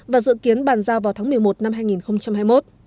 và dự kiến bàn giao vào tháng một mươi một năm hai nghìn hai mươi một